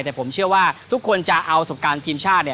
แต่ผมเชื่อว่าทุกคนจะเอาประสบการณ์ทีมชาติ